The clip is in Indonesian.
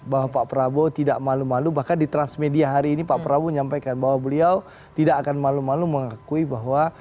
bahwa pak prabowo tidak malu malu bahkan di transmedia hari ini pak prabowo nyampaikan bahwa beliau tidak akan malu malu mengakui bahwa